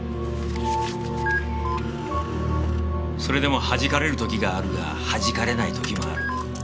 それでもはじかれる時があるがはじかれない時もある。